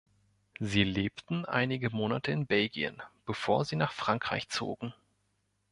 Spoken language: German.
Sie lebten einige Monate in Belgien, bevor sie nach Frankreich zogen.